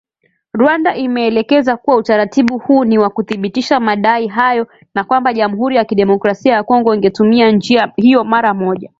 Rwanda imeeleza kuwa utaratibu huu ni wa kuthibitisha madai hayo na kwamba Jamhuri ya Kidemokrasia ya Kongo ingetumia njia hiyo mara moja